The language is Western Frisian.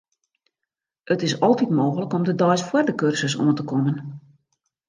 It is altyd mooglik om de deis foar de kursus oan te kommen.